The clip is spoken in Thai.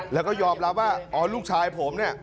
แล้วก็ยอมรับว่าลูกชายผม